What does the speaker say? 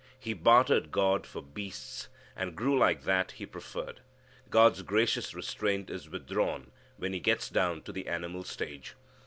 He bartered God for beasts and grew like that he preferred. God's gracious restraint is withdrawn when he gets down to the animal stage.